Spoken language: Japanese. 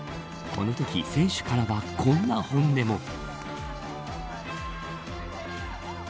このとき選手からはこんな本音も。